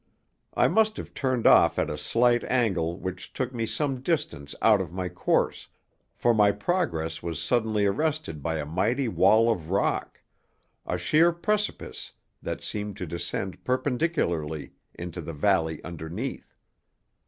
I must have turned off at a slight angle which took me some distance out of my course, for my progress was suddenly arrested by a mighty wall of rock, a sheer precipice that seemed to descend perpendicularly into the valley underneath.